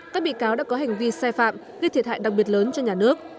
các bị cáo đã có hành vi sai phạm gây thiệt hại đặc biệt lớn cho nhà nước